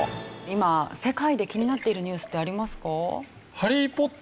今世界で気になっているニュースってありますか？